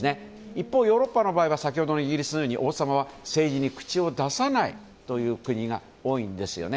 一方、ヨーロッパの場合は先ほどのイギリスのように王様は政治に口を出さないという国が多いんですよね。